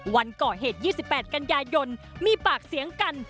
วันก่อเหตุ๒๘กันยายนมีปากเสียงกัน